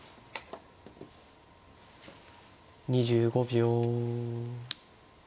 ２５秒。